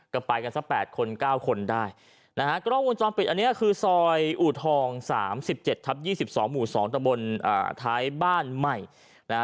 ก็ไปกันสักแปดคนเก้าคนได้นะฮะกล้องวงจรปิดอันเนี้ยคือซอยอูทองสามสิบเจ็ดทับยี่สิบสองหมู่สองตะบนอ่าท้ายบ้านใหม่นะฮะ